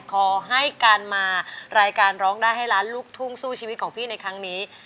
ขอให้การมารายการร้องได้ให้ล้านลูกทุ่งสู้ชีวิตของพี่ในครั้งนี้